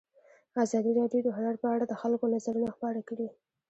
ازادي راډیو د هنر په اړه د خلکو نظرونه خپاره کړي.